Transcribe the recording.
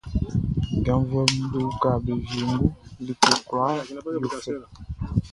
Janvuɛʼm be uka be wiengu, like kwlaa yo fɛ.